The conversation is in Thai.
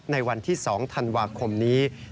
ในวันที่๒ธันวาคมนี้